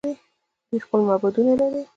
دوی خپل معبدونه لري.